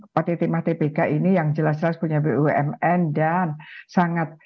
partitimah tbk ini yang jelas jelas punya bumn dan sangat